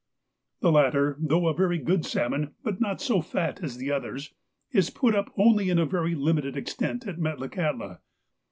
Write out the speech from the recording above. The latter, thougli a very good salmon, but not so fat as the others, is put up only to a very limited extent at Metlakahtla.